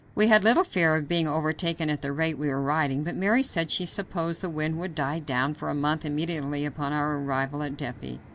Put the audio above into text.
We had little fear of being overtaken at the rate we were riding, but Mary said she supposed the wind would die down for a month immediately upon our arrival at Dieppe.